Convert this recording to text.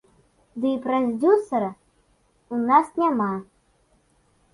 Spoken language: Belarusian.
Ды і прадзюсара ў нас няма.